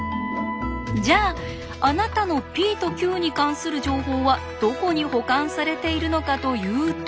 じゃああなたのｐとｑに関する情報はどこに保管されているのかというと？